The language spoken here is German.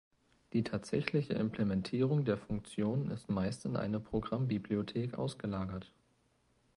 Die tatsächliche Implementierung der Funktionen ist meist in eine Programmbibliothek ausgelagert.